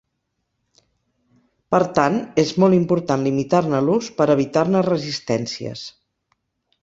Per tant, és molt important limitar-ne l'ús per evitar-ne resistències.